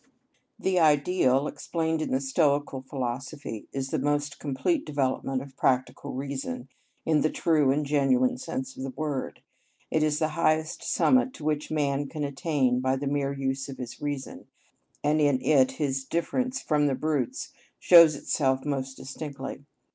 The ideal explained in the Stoical philosophy is the most complete development of practical reason in the true and genuine sense of the word; it is the highest summit to which man can attain by the mere use of his reason, and in it his difference from the brutes shows itself most distinctly.